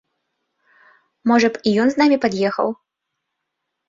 Можа б, і ён з намі пад'ехаў?